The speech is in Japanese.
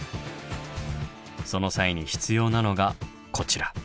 その際に必要なのがこちら。